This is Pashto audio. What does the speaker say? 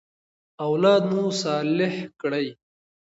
اولاد مو صالح کړئ.